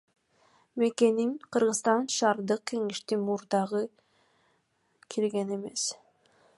Мекеним Кыргызстан шаардык кеңештин мурдагы курамына кирген эмес.